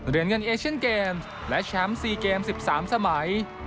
เรียนเงินเอเชียนเกมส์และแชมป์ซีเกมส์๑๓สมัย